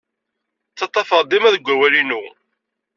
Ttaḍḍafeɣ dima deg wawal-inu.